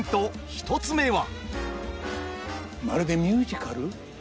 １つ目は。